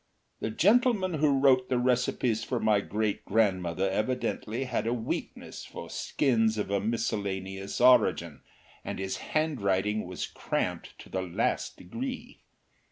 The gentleman who wrote the recipes for my great grandmother evidently had a weakness for skins of a miscellaneous origin, and his handwriting was cramped to the last degree.